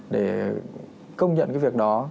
để công nhận cái việc đó